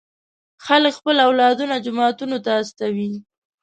خلک خپل اولادونه جوماتونو ته استوي.